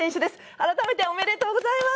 改めて、おめでとうございます！